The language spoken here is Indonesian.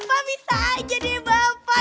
pak bisa aja deh bapak